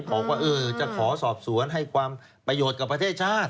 บอกว่าจะขอสอบสวนให้ความประโยชน์กับประเทศชาติ